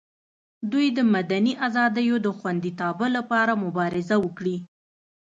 دوی د مدني ازادیو د خوندیتابه لپاره مبارزه وکړي.